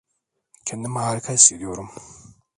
Kendimi harika hissediyorum.